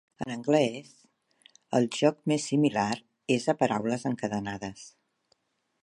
En anglès, el joc més similar és a Paraules encadenades.